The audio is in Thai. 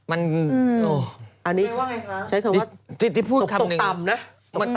อันนี้ใช้คำว่าตกต่ำนะ